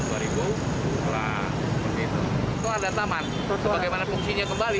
itu ada taman bagaimana fungsinya kembali